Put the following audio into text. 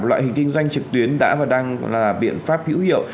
loại hình kinh doanh trực tuyến đã và đang là biện pháp hữu hiệu